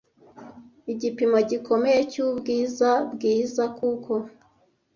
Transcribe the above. Igipimo gikomeye cyubwiza bwiza, "kuko